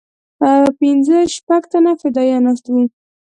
پنځه شپږ تنه فدايان ناست وو.